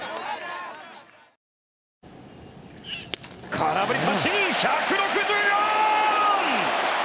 空振り三振、１６４！